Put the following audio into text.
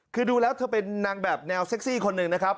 คือดูแล้วเธอเป็นนางแบบแนวเซ็กซี่คนหนึ่งนะครับ